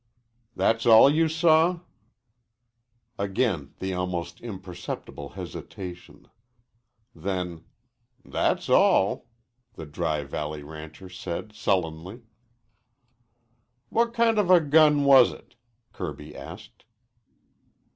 "That's all you saw?" Again the almost imperceptible hesitation. Then, "That's all," the Dry Valley rancher said sullenly. "What kind of a gun was it?" Kirby asked.